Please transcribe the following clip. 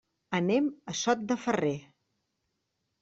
Anem a Sot de Ferrer.